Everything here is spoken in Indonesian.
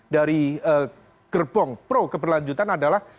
dari gerbong pro keberlanjutan adalah